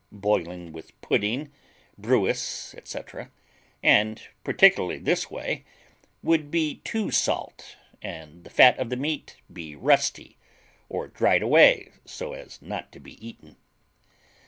boiling with pudding, brewis, &c., and particularly this way, would be too salt, and the fat of the meat be rusty, or dried away so as not to be eaten.